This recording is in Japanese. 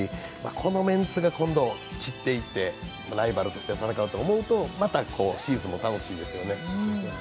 このメンツが今度散っていって、ライバルとして戦うと思うとまたシーズンも楽しいですよね。